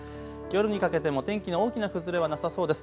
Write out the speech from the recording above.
夜にかけても天気の大きな崩れはなさそうです。